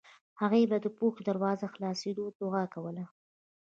هغې به د پوهې د دروازو خلاصېدو دعا کوله